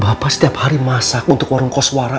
bapak setiap hari masak untuk warung koswara